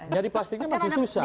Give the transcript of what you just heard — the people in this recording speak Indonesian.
nyari plastiknya masih susah